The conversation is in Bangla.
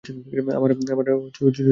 আমার দরকার নেই।